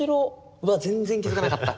うわ全然気付かなかった。